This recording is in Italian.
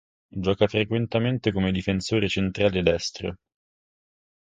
Gioca frequentemente come difensore centrale destro.